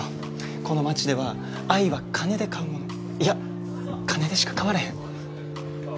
この街では愛は金で買うものいや金でしか買われへん。